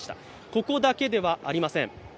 ここだけではありません。